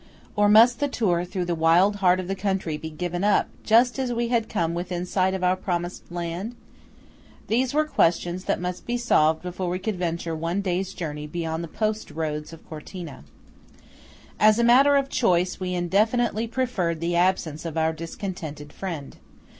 Or must the tour through the wild heart of the country be given up, just as we had come within sight of our promised land? These were questions that must be solved before we could venture one day's journey beyond the post roads of Cortina. As a matter of choice, we infinitely preferred the absence of our discontented friend.